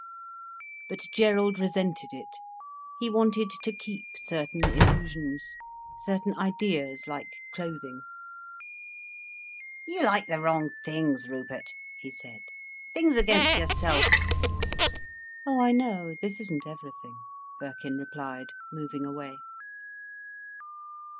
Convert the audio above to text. But Gerald resented it. He wanted to keep certain illusions, certain ideas like clothing. "You like the wrong things, Rupert," he said, "things against yourself." "Oh, I know, this isn't everything," Birkin replied, moving away.